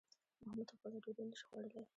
محمود خپله ډوډۍ نشي خوړلی